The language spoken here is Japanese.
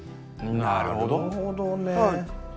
なるほどね。